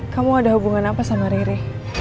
kamu ada hubungan apa sama riri